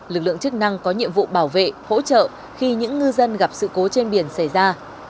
lực lượng chức năng có nhiệm vụ bảo vệ hỗ trợ khi những ngư dân gặp sự cố trên biển xảy ra